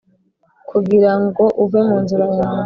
kugira ngo uve mu nzira yawe,